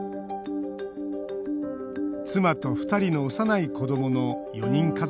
妻と２人の幼い子どもの４人家族。